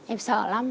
em sợ lắm